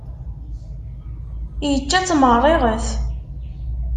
Ičča-tt meṛṛiɣet.